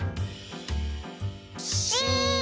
し！